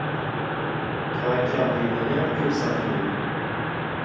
• Tavakkal qilmagan ko‘p sarflaydi.